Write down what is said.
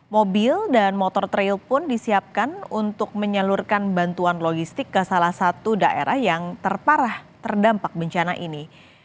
mobil dan motor trail pun disiapkan untuk menyalurkan bantuan logistik ke salah satu daerah yang terparah terdampak bencana ini